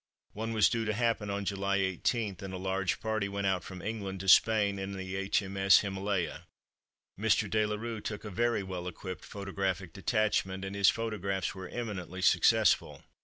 One was due to happen on July 18, and a large party went out from England to Spain in H.M.S. Himalaya. Mr. De La Rue took a very well equipped photographic detachment, and his photographs were eminently successful.